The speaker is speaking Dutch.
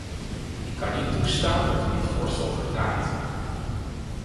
Ik kan niet toestaan dat u dit voorstel verdraait.